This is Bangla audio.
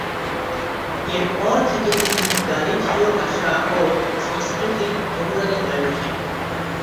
এরপর থেকে তিনি গালিথীয় ভাষা ও সংস্কৃতির অনুরাগী হয়ে উঠেন।